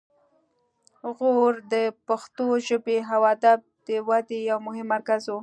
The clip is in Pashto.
غور د پښتو ژبې او ادب د ودې یو مهم مرکز و